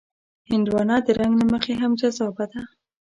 هندوانه د رنګ له مخې هم جذابه ده.